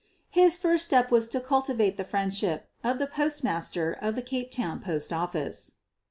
His first step was to cultivate the friendship of the Postmaster of the Cape Town Post Office.